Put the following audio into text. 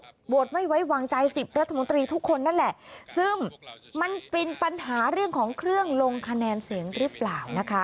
โหวตไม่ไว้วางใจสิบรัฐมนตรีทุกคนนั่นแหละซึ่งมันเป็นปัญหาเรื่องของเครื่องลงคะแนนเสียงหรือเปล่านะคะ